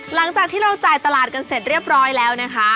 หลังจากที่เราจ่ายตลาดกันเสร็จเรียบร้อยแล้วนะคะ